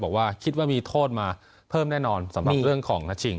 บอกว่าคิดว่ามีโทษมาเพิ่มแน่นอนสำหรับเรื่องของนัดชิง